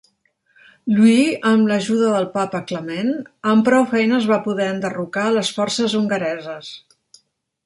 Louis, amb l'ajuda del Papa Clement, amb prou feines va poder enderrocar a les forces hongareses.